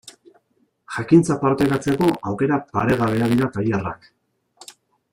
Jakintza partekatzeko aukera paregabea dira tailerrak.